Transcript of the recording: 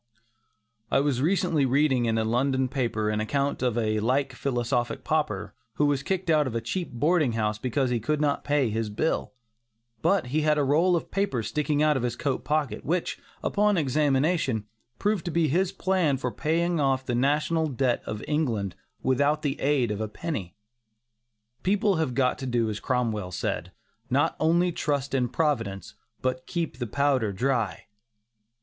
I was recently reading in a London paper an account of a like philosophic pauper who was kicked out of a cheap boarding house because he could not pay his bill, but he had a roll of papers sticking out of his coat pocket, which, upon examination, proved to be his plan for paying off the national debt of England without the aid of a penny. People have got to do as Cromwell said: "not only trust in Providence, but keep the powder dry."